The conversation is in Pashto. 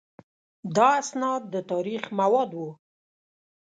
دا اسناد د تاریخ مواد وو.